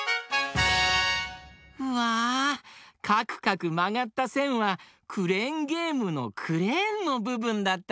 うわかくかくまがったせんはクレーンゲームのクレーンのぶぶんだったのか！